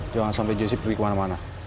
jangan sampai jessi pergi kemana mana